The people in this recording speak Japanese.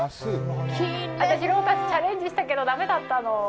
私、ロータス、チャレンジしたけどだめだったの。